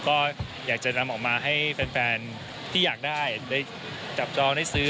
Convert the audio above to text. ก็อยากจะนำออกมาให้แฟนที่อยากได้ได้จับจองได้ซื้อ